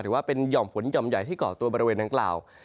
ว่าเป็นห่อมฝนห่อมใหญ่ที่เกาะตัวบริเวณดังกล่าว